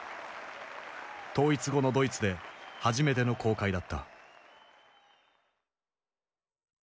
統一後のドイツで初めての公開だった。